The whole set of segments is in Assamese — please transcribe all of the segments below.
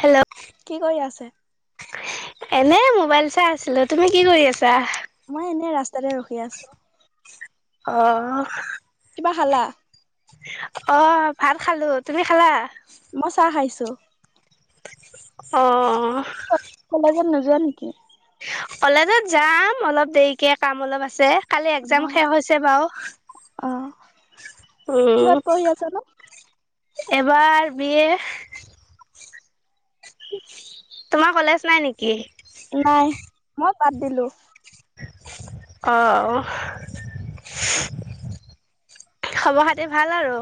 হেল্ল' কি কৰি আছে? এনে মোবাইল চাই আছিলো, তুমি কি কৰি আছা? মই এনেই ৰাস্তাতে ৰখি আছো। অ' কিবা খালা? অ' ভাত খালো, তুমি খালা? মই চাহ খাইছো। অঁ কলেজত নোযোৱা নেকি? কলেজত যাম অলপ দেৰিকে কাম অলপ আছে। কালি একজাম শেষ হৈছে বাও অ উম। কিহত পঢ়ি আছানো? এবাৰ বিয়ে। তোমাৰ কলেজ নাই নেকি? নাই ময় বাদ দিলো। অ', খবৰ খাতি ভাল আৰু?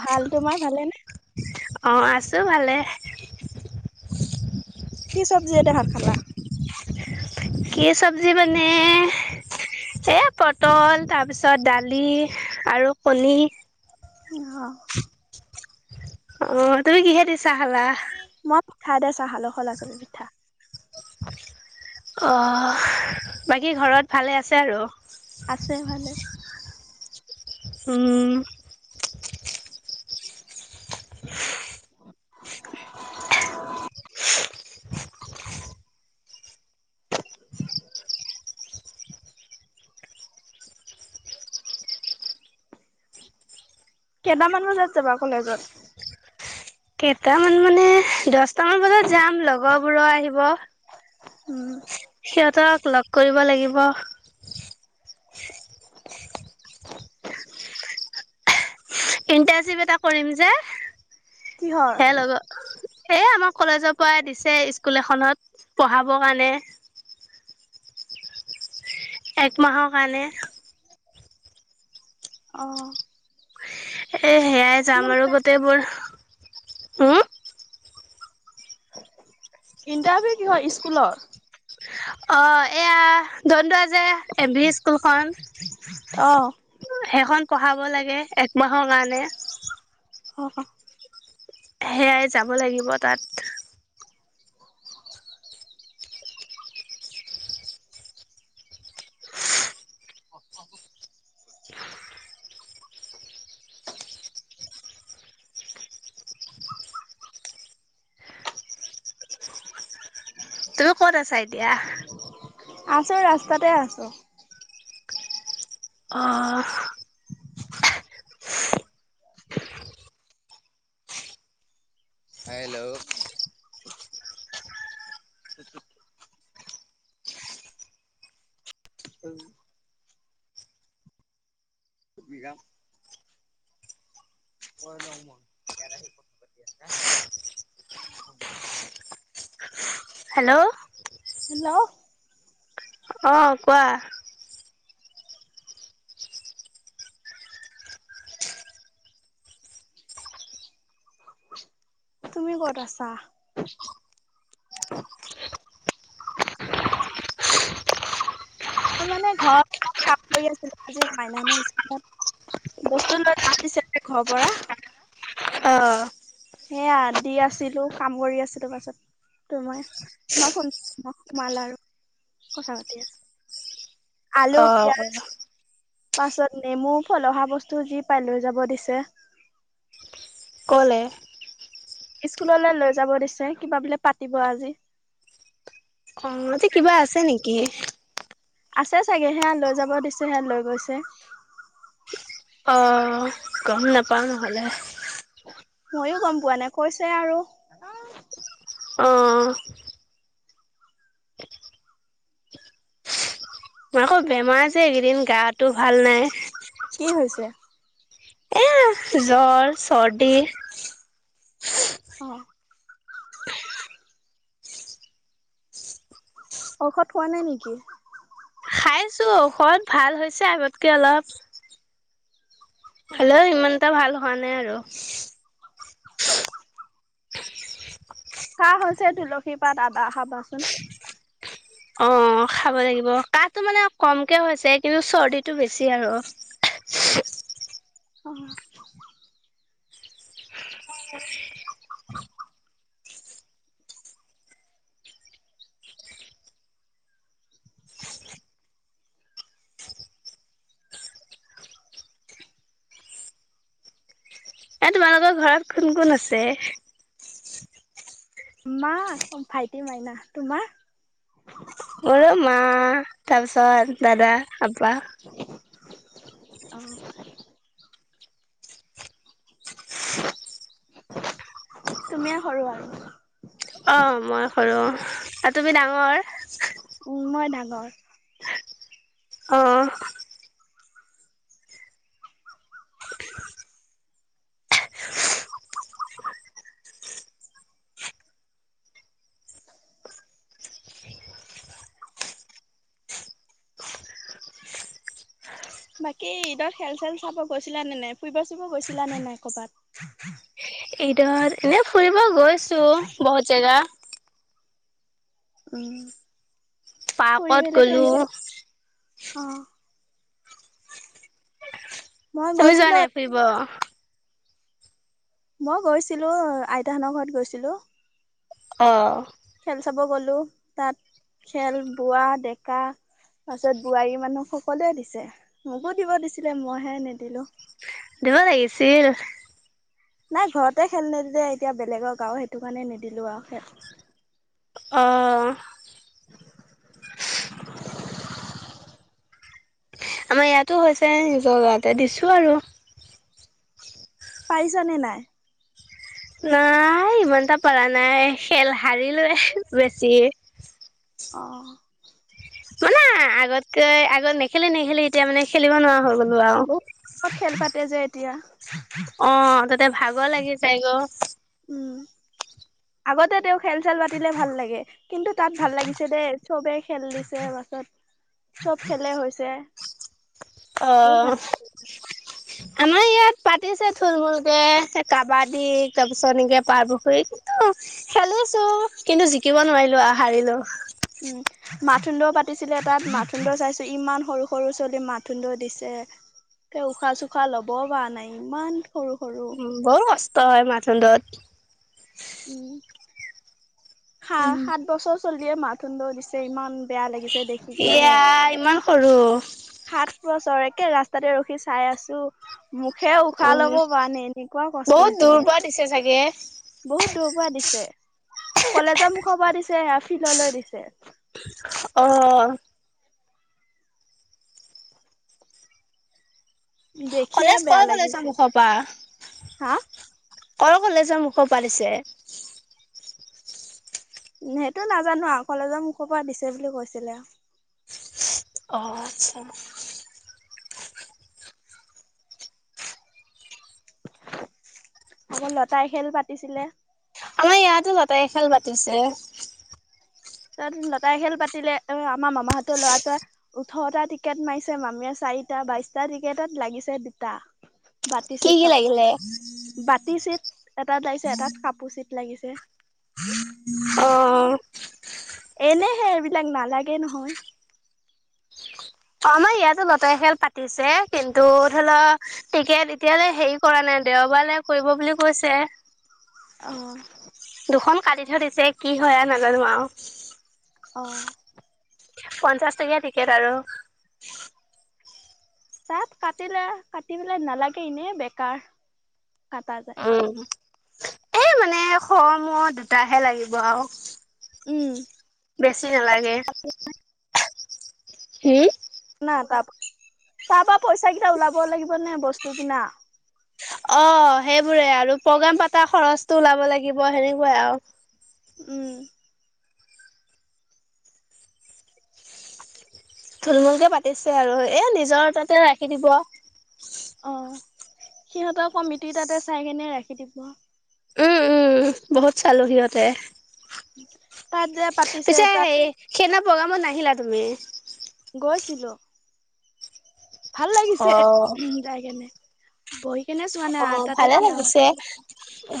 ভাল তোমাৰ ভালেনে? অঁ আছোঁ ভালে। কি চবজিয়ে দি ভাত খালা? কি চব্জি মানে এ পটল তাৰপিছত দালি আৰু কণী। অ'। অঁ, তুমি কিহে দি চাহ খালা? খাই দয় চাহ খালো খলা চাপৰি পিঠা। অঁ বাকী ঘৰত ভালে আছে আৰু? আছে ভালে। উম। [inaudible] [inaudible] [inaudible] কেইটামান বজাত জাবা কলেজত? কেইটামান মানে দশটামান বজাত যাম লগৰবোৰও আহিব। উম সিহঁতক লগ কৰিব লাগিব। ইণ্টাৰ্ণশ্বিপ এটা কৰিম যে। কিহৰ? হেল লগ এ আমাৰ কলেজৰ পৰা দিছে স্কুল এখনত পঢ়াবৰ কাৰণে। একমাহৰ কাৰণে। অ'। [inaudible] এই সেয়াই যাম আৰু গোটেইবোৰ। হম ইণ্টাৰভিউ কিহৰ ইস্কুলৰ? অঁ, এয়া দনদোৱাৰ জে এম ভি স্কুলখন। অ'। সেইখন পঢ়াব লাগে একমাহৰ কাৰণে। অ'। সেয়াই যাব লাগিব তাত। [inaudible] তুমি ক'ত আছা এতিয়া? আছো ৰাস্তাতে আছো। অ'। হেল্ল'! বিঘা ক ল মই [unintelligible] হেল্ল'। হেল্ল', অ, 'কোৱা। তুমি কত আছা। মানে ঘ কাম কৰি আছিলে আজি মাইনান স্কুলত বস্তু লৈ য দিছিলে ঘৰৰ পৰা অ এয়া দি আছিলো কাম কৰি আছিলো পাছত তোৰ মই তই ফোন সোমাল আৰু কথা পাতি আছো। আলু অ অ পিয়াজ পাছত নেমু পলসা বস্তু যি পাই লৈ যাব দিছে। কলে স্কুললৈ লৈ যাব দিছে কিবা বলে পাতিব আজি। মতে কিবা আছে নেকি? আছে চাগে সেয়া লৈ যাব দিছে সেয়া লৈ গৈছে। আহ গম নাপাওঁ নহ'লে। মইো গম পোৱা নাই কৈছে আৰু। অহ। আকৌ বেমাৰ যে এই কেইদিন গাটো ভাল নাই। কি হৈছে? এ জ্বৰ, চৰ্দি। অ, ' ঔষধ খোৱা নাই নেকি? খাইছো ঔষধ ভাল হৈছে আগতকে অলপ। অ হলেও ইমান। টা ভাল হোৱা নাই আৰু। কাঁহ হৈছে তুলসী পাত, আদা খাবাচোন। অ খাব লাগিব কাঁহটো মানে কমকে হৈছে কিন্তু চৰ্দিটো বেছি আৰু। [unintelligible] [inaudible] এ তোমালোকৰ ঘৰত কোন কোন আছে? মা, ভাইটি, মাইনা। তোমাৰ? মোৰো মা তাৰপিছত দাদা। হবা। [unintelligible] তুমিয়ে সৰু আৰু। অ মই সৰু আ তুমি ডাঙৰ? উম মই ডাঙ হয়। অহ। বাকী ঈদত খেল চেল চাব গৈছিলা নে নাই, ফুৰিব চুৰিব গৈছিলা নে নাই কৰ'বাত? ঈদত এনে ফুৰিব গৈছো বহুত জেগা। উম। পাৰ্কত গলো। অহ। মই তুমি যোৱা গৈছিলো নাই ফুৰিব? মই গৈছিলো আইতাহঁতৰ ঘৰত গৈছিলো। অ। খেল চাব গ'লো তাত খেল বোঢ়া, ডেকা তাৰপিছত বোৱাৰী মানুহ সকলোৱে দিছে, মোকো দিব দিছিলে মইহে নিদিলো। দিব লাগিছিল। নাই ঘৰতে খেল নেদিলে এতিয়া বেলেগৰ গাঁও সেইটো কাৰণে নিদিলো আৰু খেল। অহ। [unintelligible] আমাৰ ইয়াতো হৈছে, নিজৰ গাঁৱত এ দিছো আৰু। পাৰিছ নে নাই? নাই ইমানটা পাৰা নাই খেল হাৰিলোৱে বেছি। অ। মানে আগতকৈ আগত নেখেলি, নেখেলি এতিয়া মানে খেলিব নোৱাৰা হৈ গ'লো আৰু। তে যে এতিয়া। অ, ' ভাগৰ লাগি যায়গে অ'। উম, আগতে তেও খেল চেল পাতিলে ভাল লাগে। কিন্তু তাত ভাল লাগিছে দেই চবে খেল দিছে পাছত, চব খেলে হৈছে। বহুত অহ। ভাল আমাৰ ইয়াত পাতিছে থুল মূলকে, হে কাবাডী তাৰ পিছত এনেকে পাৰ পুখুৰী কিন্তু খেলিছো, কিন্তু জিকিব নোৱাৰিলো আৰু। হাৰিলো উম, মাথোন দও পাতিছিলে তাত মাথোন দৰ চাইছো ইমান সৰু সৰু ছোৱালী মাথোন দ দিছে, ত' উশাহ চোশাহ লব পৰা নাই ইমান সৰু সৰু উ, বহু কষ্ট হয় মাথোন দত। উম। সা-সাত বছৰ চলিয়ে মাথোন দ' দিছে, ইমান বেয়া লাগিছে। দেখি কেনে এয়া ইমান সৰু। সাত বছৰ ৰাস্তাতে ৰখি চাই আছো। মুখেৰে অ উশাহ ল'ব পৰা নাই, এনেকুৱাও কষ্ট বহুত হৈছে দূৰ ইয়াত। পৰা দিছে চাগে বহুত দূৰৰ পৰা দিছে, কলেজৰ মূ খবা দিছে আৰু ফিল্ডলৈ দিছে। অ'। দেখিয়ে কলেজ কৰ বেয়া কলেজৰ লাগিছে। মুখৰ হা। অল কলেজৰ মুখৰ পা দিছে। সেইটো নাজানো আৰু কলেজৰ মুখৰ পৰা দিছে বুলি কৈছিলে। অ' আচ্ছা। আকৌ লতাই খেল পাতিছিলে। সেয়াতো লতাই খেল পাতিছে। তাত লতাৰী খেল পাতিলে আমাৰ মামাহঁতৰ লৰাটোৱে ওঠৰটা টিকেট মাৰিছে, মামীয়ে চাৰিটা, বাইচটা টিকেটত লাগিছে দুটা। বাতি কি ছেট কি কাপোৰ ছেট, লাগিলে বাতি ছেট। এটাত লাগিছে এটাত কাপোৰ চিত। লাগিছে। অ'। এনেহে এইবিলাক নালাগে নহয়। অ আমাৰ ইয়াতো লতাৰী খেল পাতিছে, কিন্তু ধৰি লওক ক্ৰিকেট এতিয়ালৈ হেৰি কৰা নাই দেওবাৰলে কৰিব বুলি কৈছে। অ'। দুখন কাটি থৈ দিছে, কি হয় আৰু নাজানো আৰু। অ'। পঞ্চাশ টকীয়া টিকেট আৰু। তাত কাটিলে কাটি পেলাই নালাগে এনে বেকাৰ। কটা যায় উম। এ মানে, [unintelligible] দুটাহে লাগিব আৰু। উম বেছি নালাগে। হম না তাৰপা, তাৰ পা পইচা কেইটা ওলাব লাগিব নে বস্তু কিনা? অ' সেইবোৰে আৰু প্ৰগ্ৰেম পাতা খৰচটো ওলাব লাগিব সেনেকুৱাই আৰু। উম। থুলমূলকে পাতিছে আৰু, এ নিজৰ তাতে ৰাখি দিব। অ' সিহঁতৰ কমিটি তাতে চাই কেনে ৰাখি দিব। উম উম বহুত চালো সিহঁতে। তাত যে পাতিছে পিছে তাত হেৰি, সেনা প্ৰগামত নাহিলা তুমি? গৈছিলোঁ। ভাল লাগিছে অ যাই কেনে। বই অ' ভালে লাগিছে।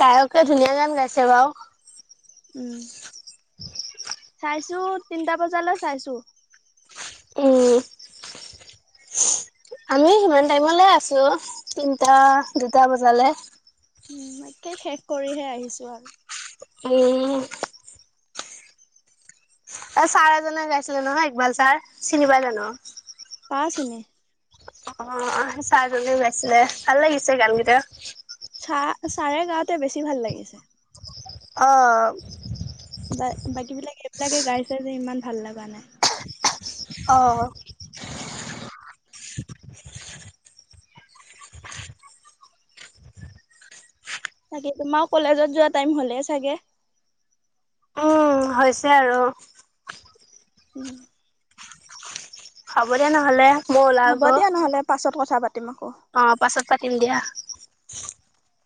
গায়কে ধুনীয়া গান গাইছে বাৰু। উম। চাইছো, তিনটা বজালৈ চাইছো। উম। আমি সিমান টাইমলৈ আছো, তিনটা দুটা বজালৈ। উম একে শেষ কৰিহে আহিছো আৰু। উম। এ ছাৰ এজনে গাইছিলে নহয়, ইক্বাল ছাৰ চিনি পাই জানো? পাঁও চিনি। অ' চাৰজনে গাইছিলে ভাল লাগিছে গানকেইটা। চা চাৰে গাওঁতে বেছি ভাল লাগিছে। অ'। বা বাকী বিলাক, এইবিলাকে গাইছে যে, ইমান ভাল লগা নাই। অ'। তাকে তোমাৰ কলেজত যোৱা টাইম হলেই চাগে? অ' হৈছে আৰু। উম। হ'ব দিয়া নহলে। মই ওলাও হ'ব গৈ দিয়া নহ'লে পাছত কথা পাতিম। আকৌ অ' পাছত পাতিম দিয়া। [inaudible]